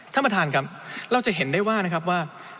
ท่านประธานครับเราจะเห็นได้ว่านะครับว่า